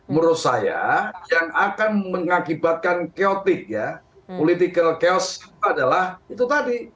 menurut saya yang akan mengakibatkan keotik ya political chaos adalah itu tadi